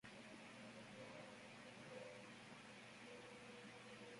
Schubert había escuchado recientemente el Concierto para violín No.